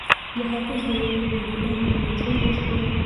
محافظ د یوې بې ګناه مېرمنې ژوند وژغوره.